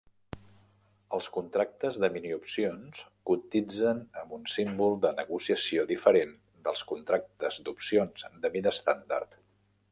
Els contractes de miniopcions cotitzen amb un símbol de negociació diferent dels contractes d'opcions de mida estàndard.